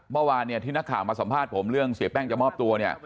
เมื่อวานเนี่ยที่นักข่าวมาสัมภาษณ์ผมเรื่องเสียแป้งจะมอบตัวเนี่ย